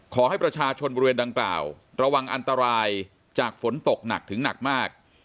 ขอให้ประชาชนบริเวณดังกล่าวระวังอันตรายจากฝนตกหนักถึงหนักมาก